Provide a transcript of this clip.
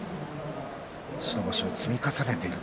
白星を積み重ねました。